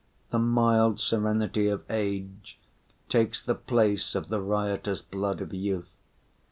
The mild serenity of age takes the place of the riotous blood of youth.